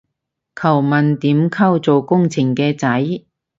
求問點溝做工程嘅仔